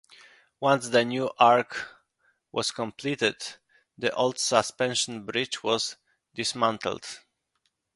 Once the new arch was completed, the old suspension bridge was dismantled.